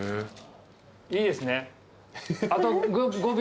いいですね？